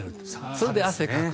それで、汗をかく。